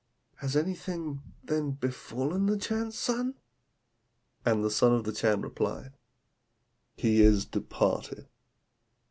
Has anything then befallen the Chan's son?' And the son of the Chan replied, 'He is departed.